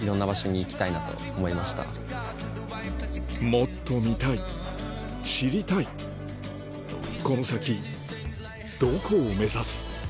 もっと見たい知りたいこの先どこを目指す？